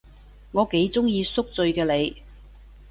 我幾鍾意宿醉嘅你